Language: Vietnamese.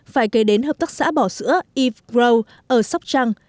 phải kể đến hợp tác xã bỏ sữa yves gros ở sóc trăng